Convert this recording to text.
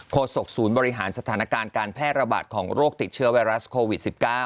ศกศูนย์บริหารสถานการณ์การแพร่ระบาดของโรคติดเชื้อไวรัสโควิด๑๙